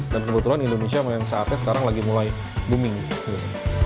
dan kebetulan indonesia memang saatnya sekarang lagi mulai booming gitu